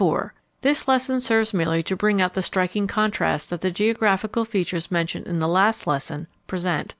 _ This lesson serves merely to bring out the striking contrasts that the geographical features mentioned in the last lesson present.